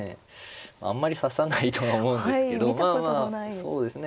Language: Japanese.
あんまり指さないとは思うんですけどまあまあそうですね